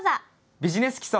「ビジネス基礎」。